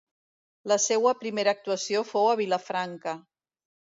La seua primera actuació fou a Vilafranca.